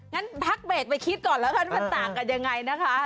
งั้นพักเบรกไปคิดก่อนแล้วกันว่าต่างกันยังไงนะคะ